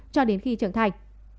cho đến khi trở thành